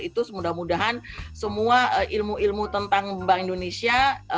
itu mudah mudahan semua ilmu ilmu tentang bank indonesia